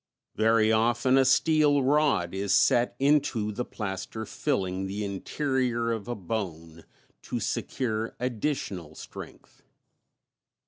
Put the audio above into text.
Very often a steel rod is set into the plaster filling the interior of a bone, to secure additional strength.